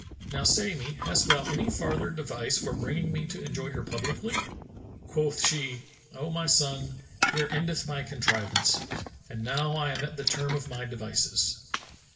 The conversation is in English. Now say me, hast thou any farther device for bringing me to enjoy her publicly?" Quoth she, "O my son, here endeth my contrivance, and now I am at the term of my devices."